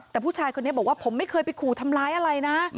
แต่ผู้ชายคนนี้บอกว่าผมไม่เคยไปขู่ทำร้ายอะไรนะ